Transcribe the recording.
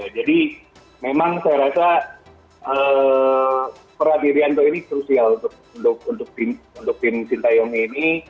jadi memang saya rasa perat irianto ini krusial untuk tim sinteyong ini